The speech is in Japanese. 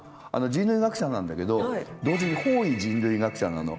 人類学者なんだけど同時に法医人類学者なの。